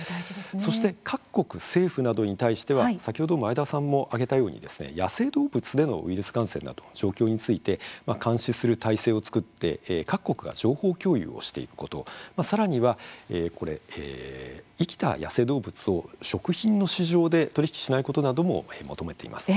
そして、各国政府などに対しては先ほど前田さんも挙げたように野生動物でのウイルス感染などの状況について監視する体制を作って各国が情報共有をしていくことさらには、生きた野生動物を食品の市場で取り引きしないことなども求めています。